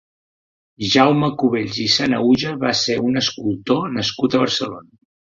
Jaume Cubells i Sanahuja va ser un escultor nascut a Barcelona.